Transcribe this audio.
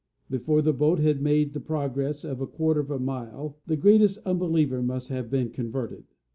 Before the boat had made the progress of a quarter of a mile, the greatest unbeliever must have been converted.